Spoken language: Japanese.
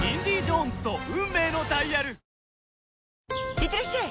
いってらっしゃい！